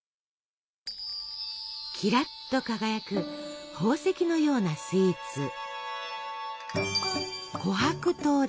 キラッと輝く宝石のようなスイーツ。